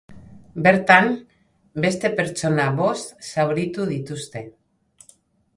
Bertan, beste pertsona bost zauritu dituzte.